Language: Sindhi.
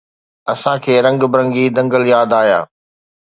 اسان کي رنگ برنگي دنگل ياد آيا